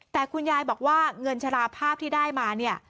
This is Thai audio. แต่คุณยายบอกว่าเงินชะลาภาพที่ได้มาเนี่ย